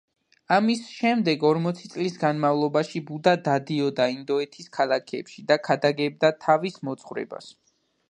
ამის შემდეგ ორმოცი წლის განმავლობაში ბუდა დადიოდა ინდოეთის ქალაქებში და ქადაგებდა თავის მოძღვრებას.